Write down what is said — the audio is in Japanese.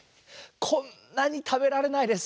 こんなにたべられないです。